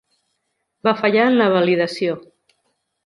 Va fallar en la validació.